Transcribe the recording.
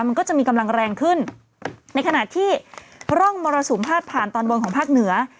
มันก็จะมีกำลังแรงขึ้นในขณะที่ร่องมรสุมพาดผ่านตอนบนของภาคเหนือ